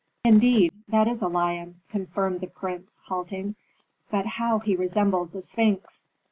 "Indeed, that is a lion!" confirmed the prince halting. "But how he resembles a sphinx."